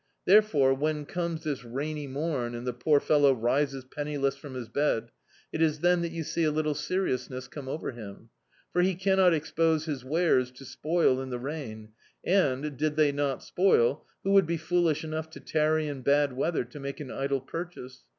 Therefore, when cwnes this rainy mom, and the poor fellow rises pen niless from his bed, it is then that you see a little seriousness come over him; for he cannot expose his wares to spoil in the rain and, did they not spoil, who would be foolish enou^ to tarry in bad weather to make an idle purchase?